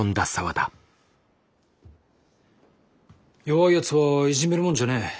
弱いやつはいじめるもんじゃねえ。